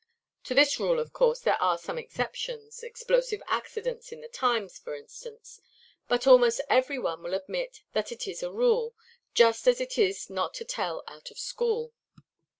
To this rule of course there are some exceptions (explosive accidents in the Times, for instance), but almost every one will admit that it is a rule; just as it is not to tell out of school.